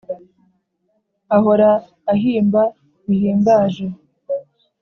ahora ahimba bihimbaje